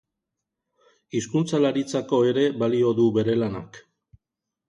Hizkuntzalaritzako ere balio du bere lanak.